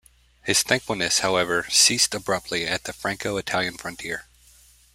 His thankfulness, however, ceased abruptly at the Franco-Italian frontier.